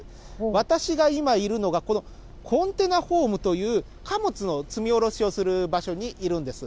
私が今いるのが、このコンテナホームという貨物の積み下ろしをする場所にいるんです。